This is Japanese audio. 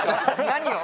何を？